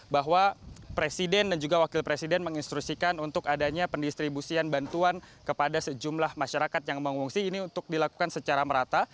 bahwa presiden dan juga wakil presiden menginstrusikan untuk adanya pendistribusian bantuan kepada sejumlah masyarakat yang mengungsi ini untuk dilakukan secara merata